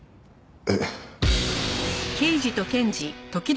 えっ。